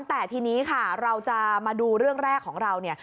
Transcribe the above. แต่ทีนี้ค่ะเราจะมาดูเรื่องแรกของเราเนี่ย